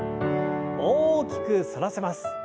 大きく反らせます。